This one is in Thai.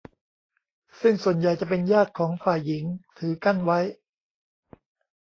ซึ่งส่วนใหญ่จะเป็นญาติของฝ่ายหญิงถือกั้นไว้